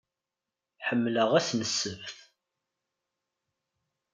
Ḥemmleɣ ass n ssebt.